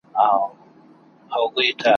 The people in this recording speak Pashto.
د شیدو پر ویاله ناسته سپینه حوره ,